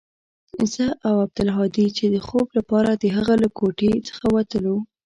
زه او عبدالهادي چې د خوب لپاره د هغه له کوټې څخه وتلو.